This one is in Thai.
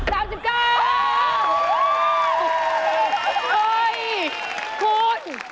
เฮ้ยคุณ